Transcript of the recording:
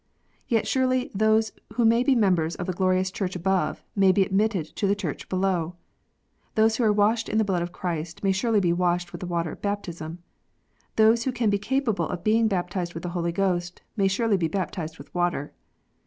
Yet surely those who may be members of the glorious Church above, may be admitted to the Church below ! Those who are washed with the blood of Christ, may surely be washed with the water of baptism ! Those who can be capable of being baptized with the Holy Ghost, may surely be baptized with water